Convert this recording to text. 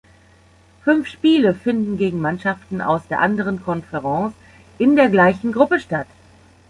Fünf Spiele finden gegen Mannschaften aus der anderen Conference in der gleichen Gruppe statt.